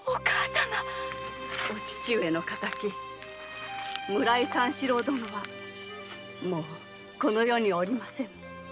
お父上の敵・村井三四郎殿はもぅこの世におりませぬ。